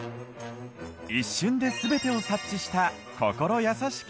一瞬で全てを察知した心優しき